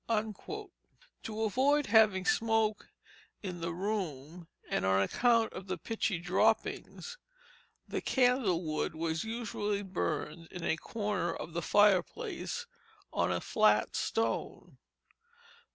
To avoid having smoke in the room, and on account of the pitchy droppings, the candle wood was usually burned in a corner of the fireplace, on a flat stone.